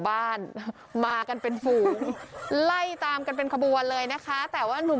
บ้านมากันเป็นฝูงไล่ตามกันเป็นขบวนเลยนะคะแต่ว่าหนุ่ม